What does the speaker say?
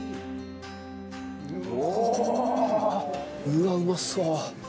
うわうまそう！